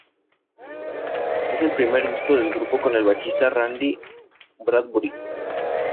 Es el primer disco del grupo con el bajista Randy Bradbury.